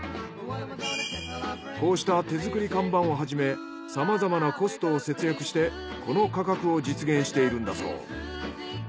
こうした手作り看板をはじめさまざまなコストを節約してこの価格を実現しているんだそう。